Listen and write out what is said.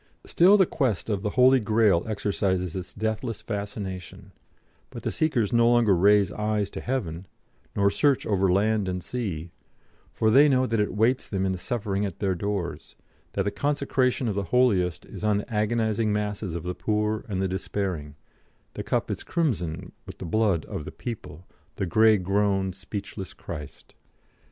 Still the quest of the Holy Grail exercises its deathless fascination, but the seekers no longer raise eyes to heaven, nor search over land and sea, for they know that it waits them in the suffering at their doors, that the consecration of the holiest is on the agonising masses of the poor and the despairing, the cup is crimson with the blood of the "'People, the grey grown speechless Christ.'